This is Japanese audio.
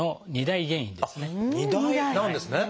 ２大なんですね！